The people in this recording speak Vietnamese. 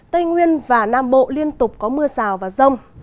tây nguyên và nam bộ liên tục có mưa rào và rông